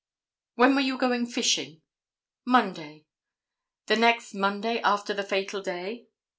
"When were you going fishing?" "Monday." "The next Monday after the fatal day?"